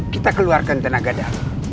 kita keluarkan tenaga dan